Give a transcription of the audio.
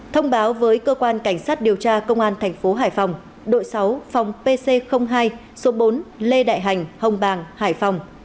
thông báo với cơ quan cảnh sát điều tra công an thành phố hải phòng đội sáu phòng pc hai số bốn lê đại hành hồng bàng hải phòng